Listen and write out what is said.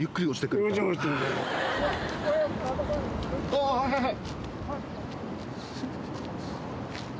あはいはい。